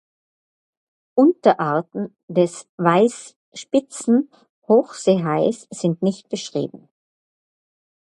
Unterarten des Weißspitzen-Hochseehais sind nicht beschrieben.